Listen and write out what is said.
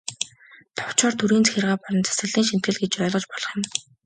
Товчоор, төрийн захиргаа болон засаглалын шинэтгэл гэж ойлгож болох юм.